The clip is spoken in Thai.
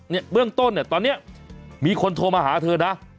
เนี้ยเรื่องต้นเนี้ยตอนเนี้ยมีคนโทรมาหาเธอนะ